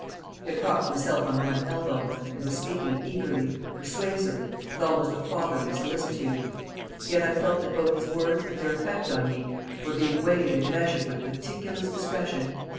He had propped himself on one elbow, and was speaking eagerly, persuasively, with almost a fatherly solicitude; yet I felt that both his words and their effect on me were being weighed and measured with meticulous discretion.